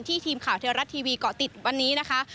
ทีมข่าวเทวรัฐทีวีเกาะติดวันนี้นะคะ